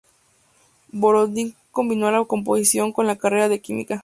Borodín combinó la composición con la carrera de Química.